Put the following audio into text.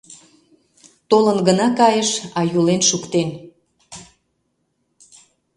Толын гына кайыш, а юлен шуктен.